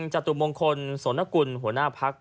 จตุมงคลโสนกุลหัวหน้าพัก